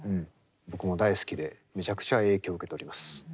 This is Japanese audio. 僕も大好きでめちゃくちゃ影響を受けております。